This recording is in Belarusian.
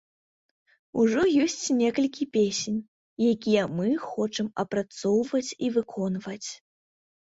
Ужо ёсць некалькі песень, якія мы хочам апрацоўваць і выконваць.